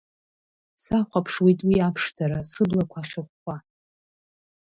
Сахәаԥшуеит уи аԥшӡара, сыблақәа ахьыхәхәа…